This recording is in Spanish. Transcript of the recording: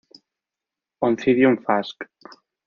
Oncidium Fasc.